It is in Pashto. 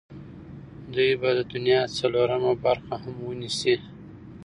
دوی به د دنیا څلورمه برخه هم ونیسي.